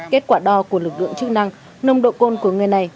kết quả đo của lực lượng chức năng nồng độ côn của người này